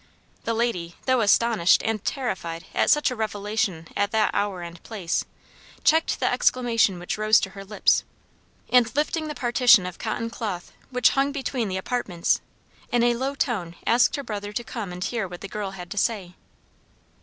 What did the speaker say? The lady, though astonished and terrified at such a revelation at that hour and place, checked the exclamation which rose to her lips, and, lifting the partition of cotton cloth which hung between the apartments, in a low tone asked her brother to come and hear what the girl had to say.